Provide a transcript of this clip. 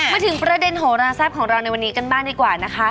มาถึงประเด็นโหราแซ่บของเราในวันนี้กันบ้างดีกว่านะคะ